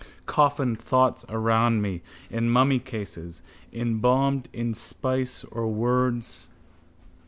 Coffined thoughts around me, in mummycases, embalmed in spice of words.